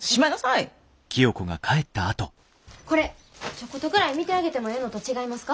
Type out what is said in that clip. ちょっことくらい見てあげてもええのと違いますか？